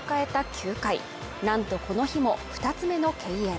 ９回なんとこの日も２つ目の敬遠